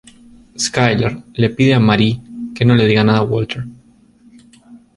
Skyler le pide a Marie que no le diga nada a Walter.